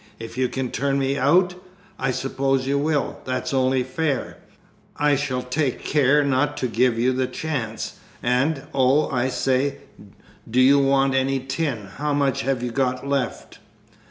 "If you can turn me out, I suppose you will that's only fair. I shall take care not to give you the chance. And, oh, I say, do you want any tin? How much have you got left?"